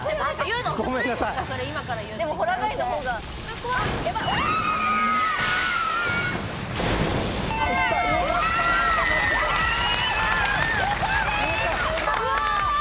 うわ！